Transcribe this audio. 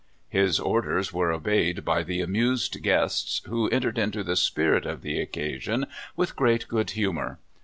His orders were obeyed by the amused guests, (46) LOCK LEY. 47 v/ho entered into the spirit of the occasion with great good humor.